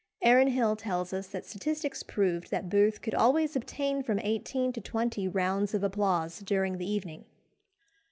Aaron Hill tells us that statistics proved that Booth could always obtain from eighteen to twenty rounds of applause during the evening.